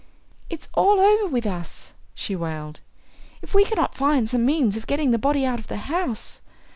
"It is all over with us!" she wailed, "if we cannot find some means of getting the body out of the house.